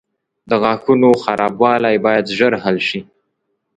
• د غاښونو خرابوالی باید ژر حل شي.